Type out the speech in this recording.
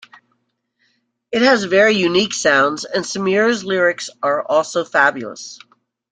It has very unique sounds, and Sameer's lyrics are also fabulous.